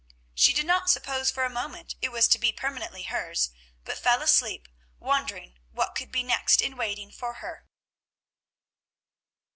She did not suppose for a moment it was to be permanently hers, but fell asleep wondering what could be next in waiting for her.